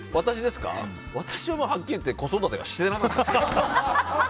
私ははっきり言って子育てはしてなかったですからね。